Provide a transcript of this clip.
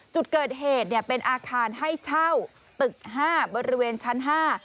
จุดเกิดเหตุเป็นอาคารให้เช่าตึก๕บนระเวนชั้น๕